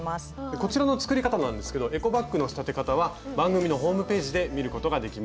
こちらの作り方なんですけどエコバッグの仕立て方は番組のホームページで見ることができます。